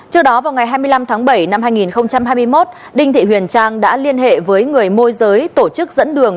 trước đó vào ngày hai mươi năm tháng bảy năm hai nghìn hai mươi một đinh thị huyền trang đã liên hệ với người môi giới tổ chức dẫn đường